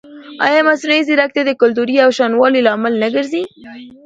ایا مصنوعي ځیرکتیا د کلتوري یوشان والي لامل نه ګرځي؟